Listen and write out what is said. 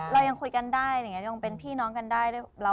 เรายังคุยกันได้ยังเป็นพี่น้องกันได้